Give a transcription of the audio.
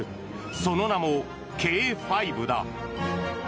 その名もＫ５だ。